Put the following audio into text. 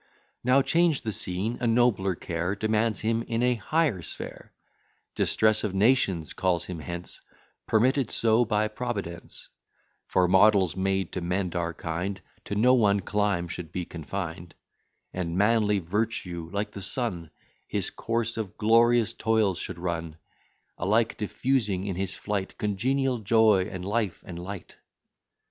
Now change the scene; a nobler care Demands him in a higher sphere: Distress of nations calls him hence, Permitted so by Providence; For models, made to mend our kind, To no one clime should be confined; And Manly Virtue, like the sun, His course of glorious toils should run: Alike diffusing in his flight Congenial joy, and life, and light.